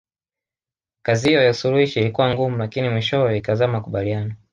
Kazi hiyo ya usuluhishi ilikuwa ngumu lakini mwishowe ikazaa makubaliano